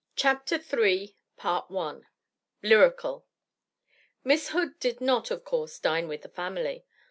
CHAPTER III LYRICAL Miss Hood did not, of course, dine with the family.